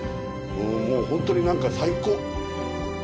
もう本当に何か最高！